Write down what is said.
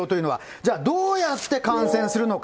じゃあ、どうやって感染するのか。